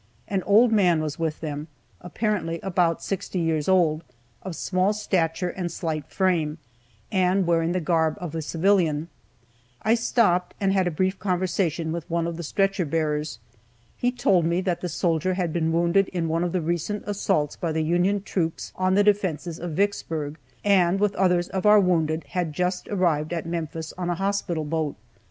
An old man was with them, apparently about sixty years old, of small stature and slight frame, and wearing the garb of a civilian. I stopped, and had a brief conversation with one of the stretcher bearers. He told me that the soldier had been wounded in one of the recent assaults by the Union troops on the defenses of Vicksburg, and, with others of our wounded, had just arrived at Memphis on a hospital boat.